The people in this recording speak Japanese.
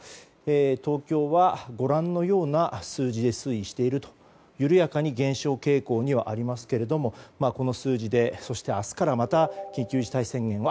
東京はご覧のような数字で推移している緩やかに減少傾向にはありますけどもこの数字で、そして明日からまた緊急事態宣言は。